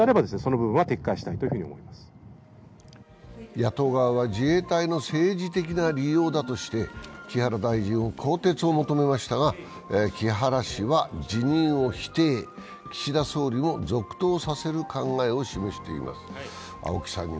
野党側は自衛隊の政治的な利用だとして、木原大臣の更迭を求めましたが木原氏は辞任を否定、岸田総理も続投させる考えを示しています。